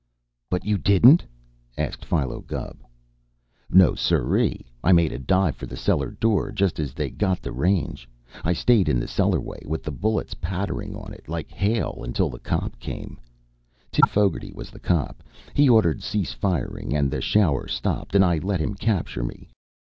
"But you didn't?" asked Philo Gubb. "No, siree! I made a dive for the cellar door, just as they got the range. I stayed in the cellarway, with the bullets pattering on it like hail, until the cop came. Tim Fogarty was the cop. He ordered 'Cease firing!' and the shower stopped, and I let him capture me.